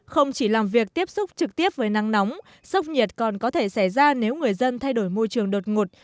không chỉ làm việc tiếp xúc trực tiếp với nắng nóng sốc nhiệt còn có thể xảy ra nếu người dân thay đổi môi trường đột ngột